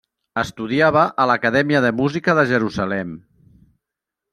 Estudiava a l'Acadèmia de Música de Jerusalem.